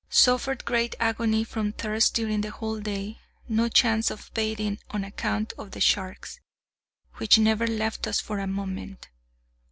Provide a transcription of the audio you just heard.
Suffered great agony from thirst during the whole day—no chance of bathing on account of the sharks, which never left us for a moment.